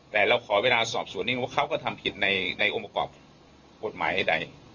แต่เราขอเวลาสอบสวนนี้เขาก็ทำผิดในอุ้มกอบกฎหมายใด